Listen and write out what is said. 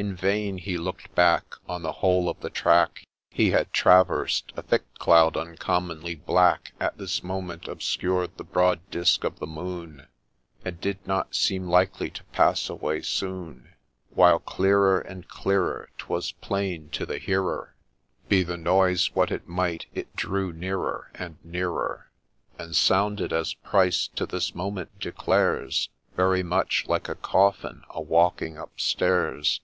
In vain he look'd back On the whole of the track He had traversed ; a thick cloud, uncommonly black, At this moment obscured the broad disc of the moon, And did not seem likely to pass away soon ; While clearer and clearer, "Twas plain to the hearer, 36 PATTY MORGAN THE MILKMAID'S STORY Be the noise what it might, it drew nearer and nearer, And sounded, as Pryce to this moment declares, Very much ' like a Coffin a walking up stairs.'